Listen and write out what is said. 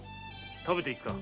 食べて行くか？